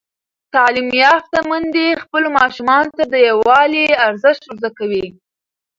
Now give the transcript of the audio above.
تعلیم یافته میندې خپلو ماشومانو ته د یووالي ارزښت ور زده کوي.